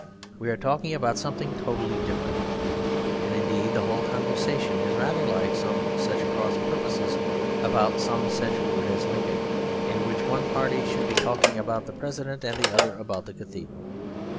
We are talking about something totally different. And indeed the whole conversation is rather like some such cross purposes about some such word as 'Lincoln'; in which one party should be talking about the President and the other about the cathedral.